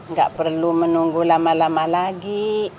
nggak perlu menunggu lama lama lagi